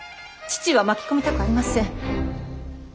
父は巻き込みたくありません。